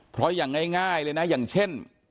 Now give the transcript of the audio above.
เพราะอย่างง่ายเลยนะอย่างเช่น